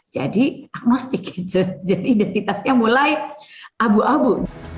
jadi agnostik gitu jadi identitasnya mulai abu abu